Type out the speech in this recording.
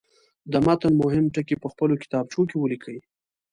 د متن مهم ټکي په خپلو کتابچو کې ولیکئ.